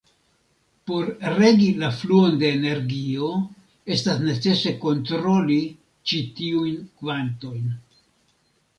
Por regi la fluon de energio estas necese kontroli ĉi tiujn kvantojn.